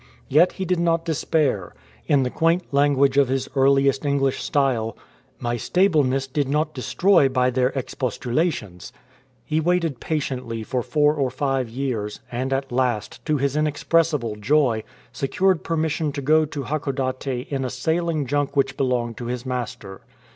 Yet he did not despair. In the quaint language of his earliest English style, " My stableness did not destroy by their expostulations.*" He waited patiently for four or five years, and at last, to his inexpressible joy, secured permission to go to Hakodate in a sailing junk which belonged to his master.